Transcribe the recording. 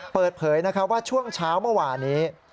เปิดเผยว่าช่วงเช้าเมื่อวานนี้